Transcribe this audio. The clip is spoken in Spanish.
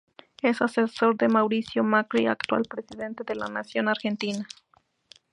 Es asesor de Mauricio Macri, actual Presidente de la Nación Argentina.